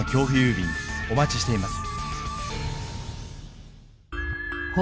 便お待ちしています］